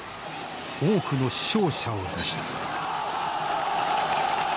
多くの死傷者を出した。